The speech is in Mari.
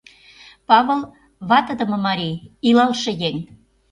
Павыл, ватыдыме марий, илалше еҥ.